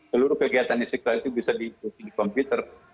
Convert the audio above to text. seluruh kegiatan istiqlal itu bisa diikuti di komputer